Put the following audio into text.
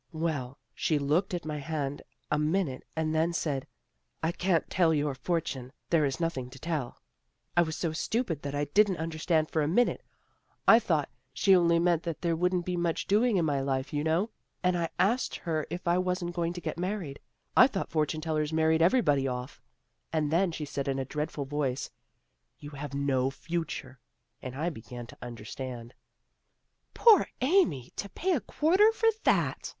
" Well, she looked at my hand a minute, and then she said, ' I can't tell your fortune. There is nothing to tell.' I was so stupid that I didn't understand for a minute. I thought AMY IS DISILLUSIONED 305 she only meant that there wouldn't be much doing in my life, you know. And I asked her if I wasn't going to get married. I thought fortune tellers married everybody off. And then she said in a dreadful voice, ' You have no future,' and I began to understand." " Poor Amy! To pay a quarter for that!"